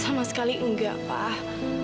sama sekali enggak pak